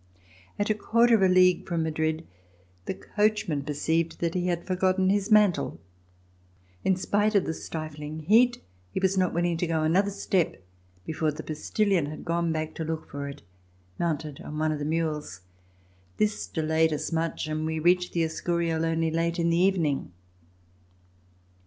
At a quarter of a league from Madrid, the coach man perceived that he had forgotten his mantle. In spite of the stifling heat, he was not willing to go another step before the postillion had gone back to look for it mounted on one of the mules. This de layed us much, and we reached the Escurial only late in the evening.